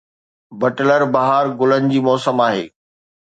Butler! بهار گلن جي موسم آهي